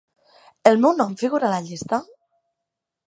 El meu nom figura a la llista?